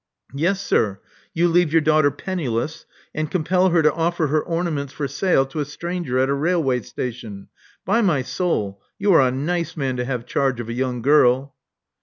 Yes, sir. You leave your daughter penniless, and compel her to offer her ornaments for sale to a stranger at a railway station. By my soul, you are a nice man to have charge of a young girl.